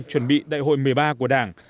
chuẩn bị đại hội một mươi ba của đảng